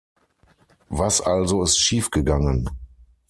Was also ist schief gegangen?